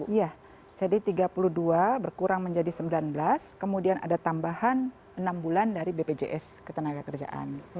iya jadi tiga puluh dua berkurang menjadi sembilan belas kemudian ada tambahan enam bulan dari bpjs ketenaga kerjaan